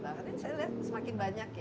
dan ini saya lihat semakin banyak ya